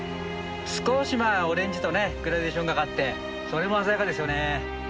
少しオレンジとグラデーションがかってそれも鮮やかですよね。